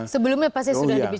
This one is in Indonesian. sebelumnya pasti sudah dibicarakan